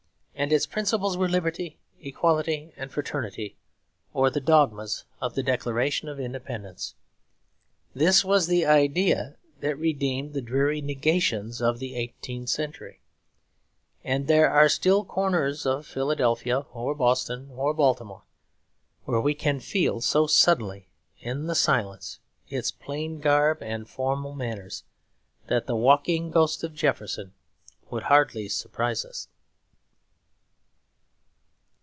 And its principles were liberty, equality, and fraternity, or the dogmas of the Declaration of Independence. This was the idea that redeemed the dreary negations of the eighteenth century; and there are still corners of Philadelphia or Boston or Baltimore where we can feel so suddenly in the silence its plain garb and formal manners, that the walking ghost of Jefferson would hardly surprise us.